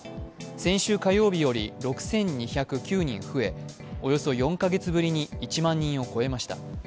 先週火曜日より６２０９人増え、およそ４カ月ぶりに１万人を超えました。